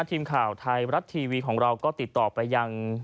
ทีมข่าวไทยรัฐทีวีของเราก็ติดต่อไปยัง